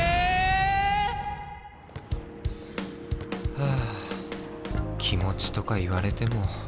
⁉ハァ気持ちとか言われても。